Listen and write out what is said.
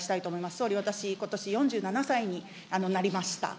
総理、私、ことし４７歳になりました。